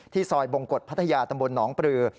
ที่ซอยโบงกฎพรรภาทยาตังบลหนองปรือ